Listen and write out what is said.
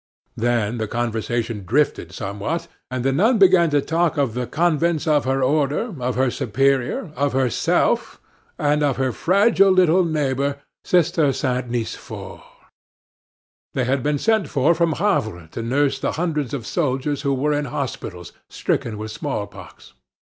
Then the conversation drifted somewhat, and the nun began to talk of the convents of her order, of her Superior, of herself, and of her fragile little neighbor, Sister St. Nicephore. They had been sent for from Havre to nurse the hundreds of soldiers who were in hospitals, stricken with smallpox.